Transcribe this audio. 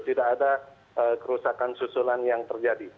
tidak ada kerusakan susulan yang terjadi